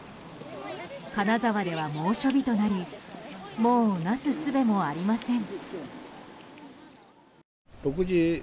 金沢では猛暑日となりもうなすすべもありません。